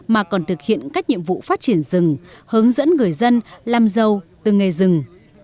mà còn thực hiện các nhiệm vụ phát triển rừng hướng dẫn người dân làm giàu từ nghề rừng